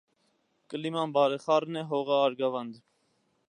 Կլիման բարեխառն է, հողը՝ արգաւանդ։